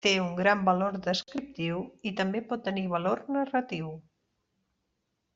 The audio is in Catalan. Té un gran valor descriptiu i també pot tenir valor narratiu.